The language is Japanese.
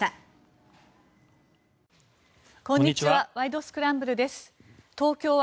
こんにちは。